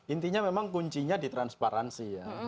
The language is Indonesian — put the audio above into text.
intinya memang kuncinya di transparansi ya